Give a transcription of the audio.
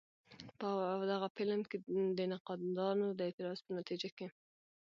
په غه فلم د نقادانو د اعتراض په نتيجه کښې